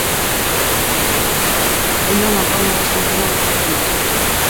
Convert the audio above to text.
E non é a forma de solucionar os problemas.